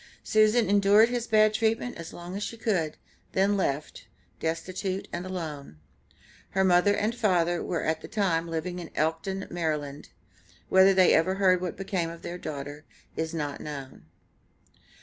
Susan endured his bad treatment as long as she could, then left, destitute and alone. Her mother and father were at the time living in Elkton, Md. Whether they ever heard what became of their daughter is not known.